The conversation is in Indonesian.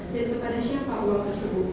dan kepada siapa uang tersebut